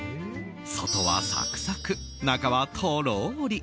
外はサクサク、中はとろーり。